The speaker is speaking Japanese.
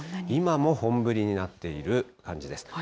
今も本降りになっている感じです。